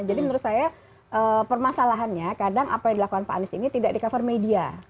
jadi menurut saya permasalahannya kadang apa yang dilakukan pak anies ini tidak di cover media